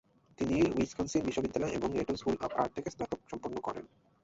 তিনি উইসকনসিন বিশ্ববিদ্যালয় এবং লেটন স্কুল অব আর্ট থেকে স্নাতক সম্পন্ন করেন।